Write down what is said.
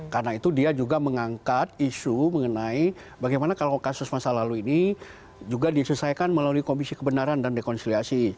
karena itu dia juga mengangkat isu mengenai bagaimana kalau kasus masa lalu ini juga diselesaikan melalui komisi kebenaran dan dekonsiliasi